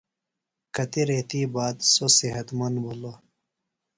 کتیۡ ریتی باد سوۡ صحت مند بِھلوۡ۔